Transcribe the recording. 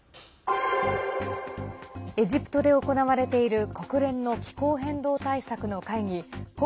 エジプトで行われている国連の気候変動対策の会議